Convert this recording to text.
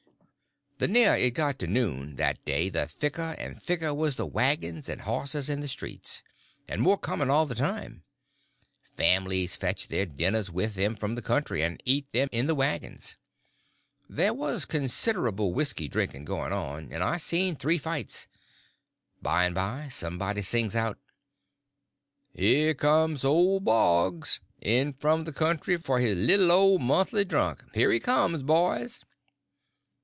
The nearer it got to noon that day the thicker and thicker was the wagons and horses in the streets, and more coming all the time. Families fetched their dinners with them from the country, and eat them in the wagons. There was considerable whisky drinking going on, and I seen three fights. By and by somebody sings out: "Here comes old Boggs!—in from the country for his little old monthly drunk; here he comes, boys!"